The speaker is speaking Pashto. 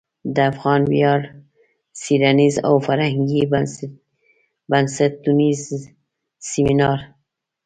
د افغان ویاړ څیړنیز او فرهنګي بنسټ او نیز سمینار